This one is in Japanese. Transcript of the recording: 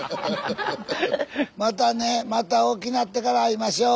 また大きなってから会いましょう。